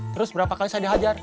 terus berapa kali saya dihajar